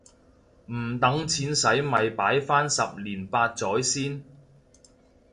唔等錢洗咪擺返十年八載先